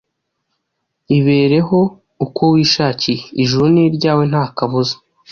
ibereho uko wishakiye, ijuru ni iryawe nta kabuza